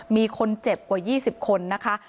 มีคนเจ็บกว่า๒๐คนนะคะ